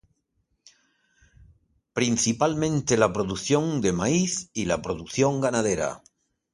Principalmente la producción de maíz y la producción ganadera.